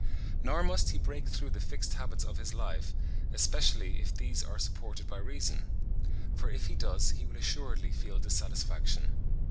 Nor must he break through the fixed habits of his life, especially if these are supported by reason; for if he does, he will assuredly feel dissatisfaction.